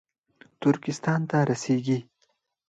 ترکستان ته رسېږي